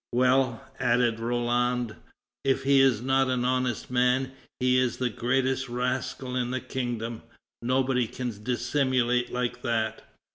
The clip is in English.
"Well," added Roland, "if he is not an honest man, he is the greatest rascal in the kingdom; nobody can dissimulate like that."